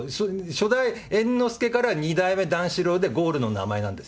初代猿之助から二代目段四郎でゴールの名前なんです。